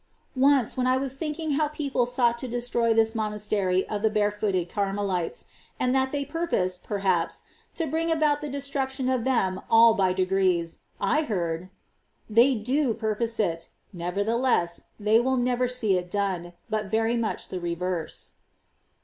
6. Once, when I was thinking how people sought to destroy this monastery of the Barefooted Carmelites, and that they purposed, perhaps, to bring about the destruction of them all by degrees, I heard :" They do purpose it ; nevertheless, they will never see it done, but very much the reverse."